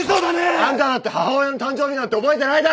あんただって母親の誕生日なんて覚えてないだろ！